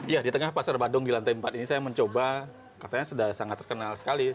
ya di tengah pasar badung di lantai empat ini saya mencoba katanya sudah sangat terkenal sekali